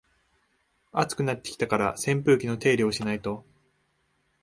暑くなってきたから扇風機の手入れしないと